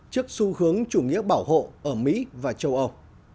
trước xu hướng chủ nghĩa bảo hộ ở mỹ và châu âu